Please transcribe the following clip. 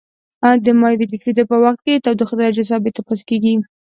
د مایع د جوشیدو په وقت کې د تودوخې درجه ثابته پاتې کیږي.